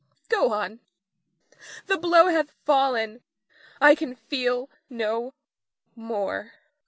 Nina. Part go on, the blow hath fallen, I can feel no more.